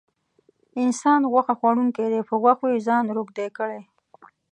انسان غوښه خوړونکی دی په غوښو یې ځان روږدی کړی.